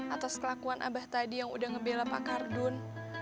atas kelakuan abah tadi yang udah ngebela pak kardun